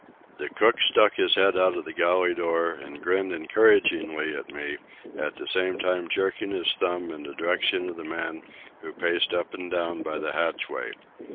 The cook stuck his head out of the galley door and grinned encouragingly at me, at the same time jerking his thumb in the direction of the man who paced up and down by the hatchway.